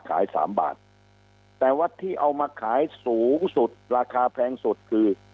สามบาทแต่วัดที่เอามาขายสูงสุดราคาแพงสุดคือ